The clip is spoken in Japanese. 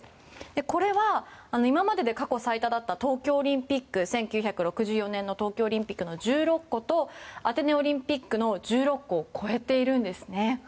これは、今までで過去最多だった１９６４年の東京オリンピックの１６個とアテネオリンピックの１６個を超えているんです。